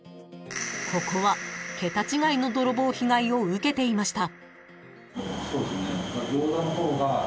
［ここはケタ違いのドロボー被害を受けていました］